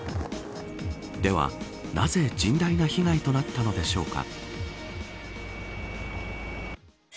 では、なぜ甚大な被害となったのでしょうか。